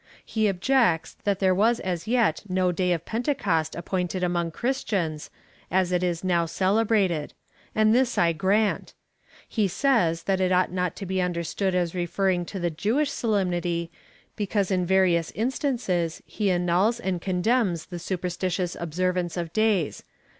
He objects, that there was as yet no day of Pentecost appointed among Christians, as it is now cele brated ; and this I grant. He says, that it ought not to be understood as referring to the Jewish solemnity, because in various instances he annuls and condemns the supersti tious observance of days.